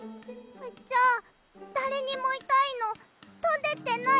じゃあだれにもいたいのとんでってない？